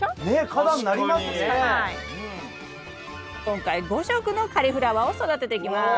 今回５色のカリフラワーを育てていきます。